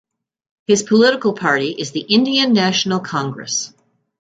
His political party is the Indian National Congress.